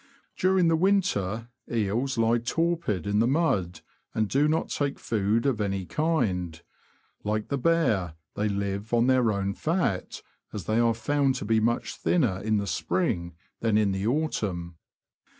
During the winter, eels lie torpid in the mud, and do not take food of any kind ; like the bear, they live on their own fat, as they are found to be much thinner in the spring than in the autumn.